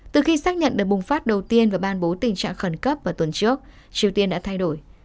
từ khi xác nhận đợt bùng phát đầu tiên và ban bố tình trạng khẩn cấp vào tuần trước triều tiên đã thay đổi